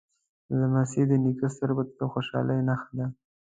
لمسی د نیکه سترګو ته د خوشحالۍ نښه ده.